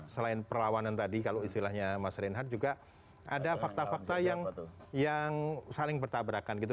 selain perlawanan tadi kalau istilahnya mas reinhardt juga ada fakta fakta yang saling bertabrakan gitu